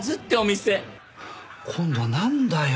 今度はなんだよ？